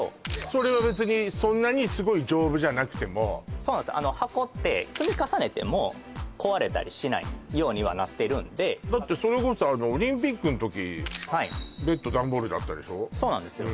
それは別にそんなにすごい丈夫じゃなくてもそうなんですあの箱って積み重ねても壊れたりしないようにはなってるんでだってそれこそあのオリンピックん時はいそうなんですよ